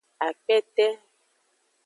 Akpete.